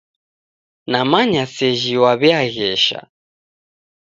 Namanya seji w'aw'iaghesha.